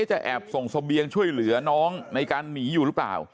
จะแอบส่งเสบียงช่วยเหลือน้องในการหนีอยู่หรือเปล่า